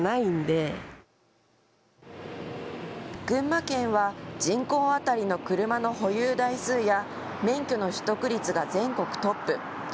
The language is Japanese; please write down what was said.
群馬県は人口当たりの車の保有台数や免許の取得率が全国トップ。